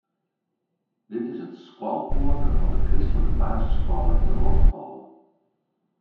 Dit is it skoalkoarke fan de kristlike basisskoalle yn Rottefalle.